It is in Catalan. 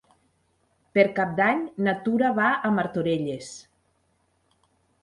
Per Cap d'Any na Tura va a Martorelles.